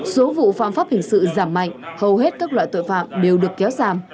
số vụ phạm pháp hình sự giảm mạnh hầu hết các loại tội phạm đều được kéo giảm